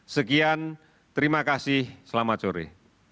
sekian terima kasih selamat sore